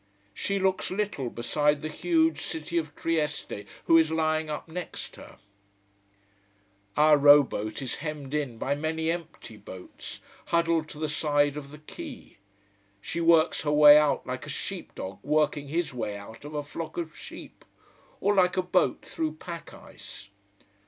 She looks little, beside the huge City of Trieste who is lying up next her. Our row boat is hemmed in by many empty boats, huddled to the side of the quay. She works her way out like a sheepdog working his way out of a flock of sheep, or like a boat through pack ice.